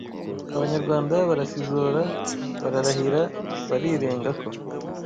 abanyarwanda barasizora bararahira barirenga ko